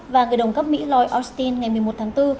và người đồng cấp mỹ lloyd austin ngày một mươi một tháng bốn